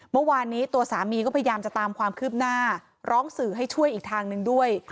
เมื่อวานนี้ตัวสามีก็พยายามจะตามความคืบหน้าร้องสื่อให้ช่วยอีกทางหนึ่งด้วย